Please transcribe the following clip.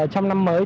trong năm mới